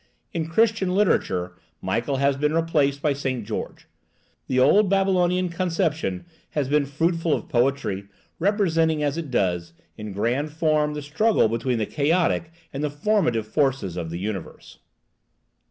In Christian literature Michael has been replaced by St. George. The old Babylonian conception has been fruitful of poetry, representing, as it does, in grand form the struggle between the chaotic and the formative forces of the universe.